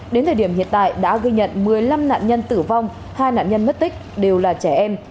đến thời điểm hiện tại đã ghi nhận một mươi năm nạn nhân tử vong hai nạn nhân mất tích đều là trẻ em